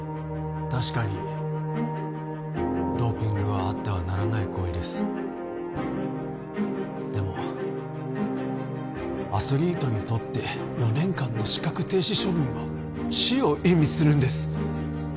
確かにドーピングはあってはならない行為ですでもアスリートにとって４年間の資格停止処分は死を意味するんです